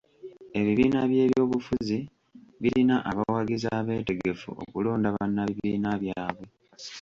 Ebibiina by'ebyobufuzi birina abawagizi abeetegefu okulonda bannabibiina byabwe.